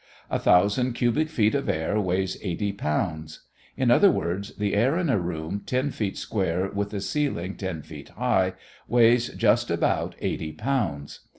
A thousand cubic feet of air weighs 80 pounds. In other words, the air in a room ten feet square with a ceiling ten feet high, weighs just about 80 pounds.